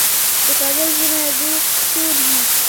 د کابل ژمی ډېر سوړ وي.